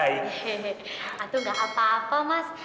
itu gak apa apa mas